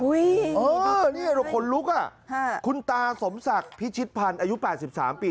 นี่ชาติคนลุกคุณตาศมศักดิ์พิชิตพันธ์อายุ๘๓ปี